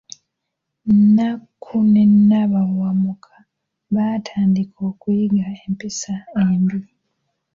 Nnakku ne Nabawamuka baatandika okuyiga empisa embi.